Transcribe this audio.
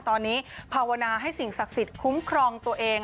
ตอนนี้ภาวนาให้สิ่งศักดิ์สิทธิ์คุ้มครองตัวเอง